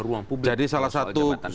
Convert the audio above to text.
ruang publik jadi salah satu